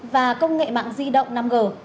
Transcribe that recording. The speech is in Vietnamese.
và công nghệ mạng di động năm g